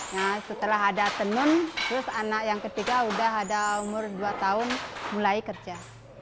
nah setelah ada tenun terus anak yang ketiga udah ada umur dua tahun mulai kerja